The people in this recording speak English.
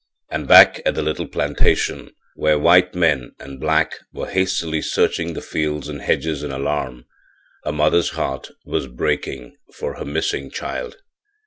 And back at the little plantation, where white men and black were hastily searching the fields and hedges in alarm, a mother's heart was breaking for her missing child.